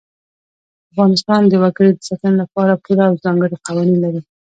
افغانستان د وګړي د ساتنې لپاره پوره او ځانګړي قوانین لري.